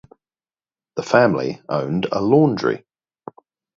The family owned a laundry.